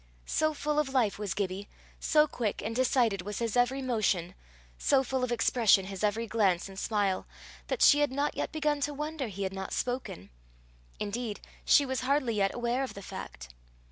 So full of life was Gibbie, so quick and decided was his every motion, so full of expression his every glance and smile, that she had not yet begun to wonder he had not spoken; indeed she was hardly yet aware of the fact.